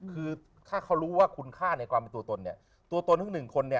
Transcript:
คือถ้าเขารู้ว่าคุณค่าในความเป็นตัวตนเนี่ยตัวตนทั้งหนึ่งคนเนี่ย